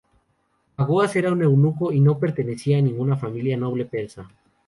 Bagoas era un eunuco y no pertenecía a ninguna familia noble persa.